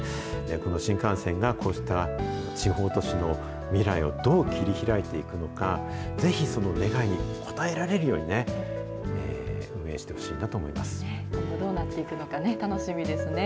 この新幹線が、こうした地方都市の未来をどう切り開いていくのか、ぜひその願いに応えられるようにどうなっていくのかね、楽しみですね。